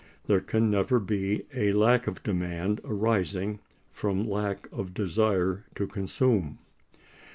There can never be a lack of Demand arising from lack of Desire to Consume.